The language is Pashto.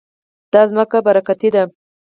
دا ځمکه برکتي ده.